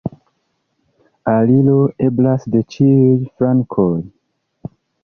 Aliro eblas de ĉiuj flankoj.